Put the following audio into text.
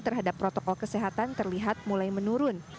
terhadap protokol kesehatan terlihat mulai menurun